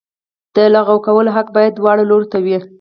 د لغوه کولو حق باید دواړو لورو ته وي.